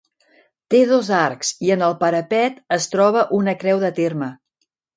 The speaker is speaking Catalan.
Té dos arcs i en el parapet es troba una creu de terme.